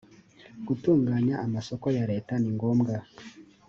gutunganya amasoko ya leta ni ngombwa